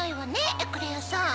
エクレアさん。